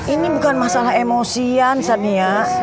ini bukan masalah emosian sania